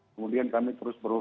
kemudian kami terus